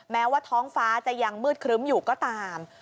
แม้ว่าท้องฟ้าจะยังมืดครึ้มอยู่ก็ตาม